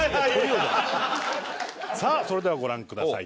さあそれではご覧ください。